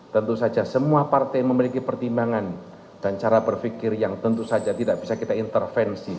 tentu saja semua partai memiliki pertimbangan dan cara berpikir yang tentu saja tidak bisa kita intervensi